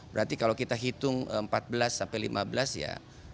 berarti kalau kita hitung empat belas sampai lima belas ya